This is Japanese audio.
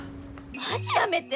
マジやめて。